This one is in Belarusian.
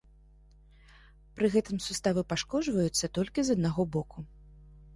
Пры гэтым суставы пашкоджваюцца толькі з аднаго боку.